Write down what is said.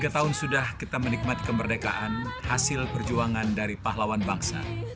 tiga tahun sudah kita menikmati kemerdekaan hasil perjuangan dari pahlawan bangsa